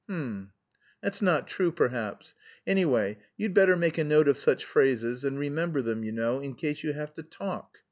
"H'm! That's not true, perhaps. Anyway, you'd better make a note of such phrases, and remember them, you know, in case you have to talk....